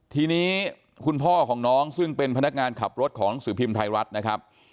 ทีนี้คุณพ่อของน้องซึ่งเป็นพนักงานขับรถของหนังสือพิมพ์ไทยรัฐนะครับ